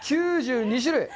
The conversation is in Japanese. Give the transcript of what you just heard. ９２種類。